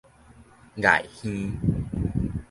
礙耳